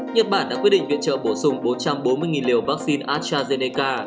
nhật bản đã quyết định viện trợ bổ sung bốn trăm bốn mươi liều vaccine astrazeneca